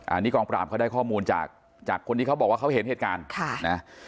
อันนี้กองปราบเขาได้ข้อมูลจากจากคนที่เขาบอกว่าเขาเห็นเหตุการณ์ค่ะนะ